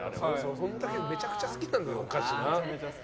その時はめちゃくちゃ好きなんだよな。